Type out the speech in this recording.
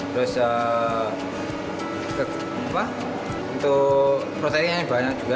terus untuk proteinnya banyak juga